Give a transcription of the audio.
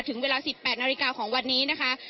ถึงเวลา๑๘นาฬิกาของวันนี้นะคะ